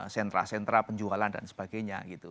sentra sentra penjualan dan sebagainya gitu